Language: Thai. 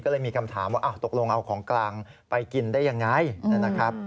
ก็เลยมีคำถามว่าตกลงเอาของกลางไปกินได้ยังไงนะครับ